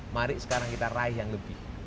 mari sekarang kita raih yang lebih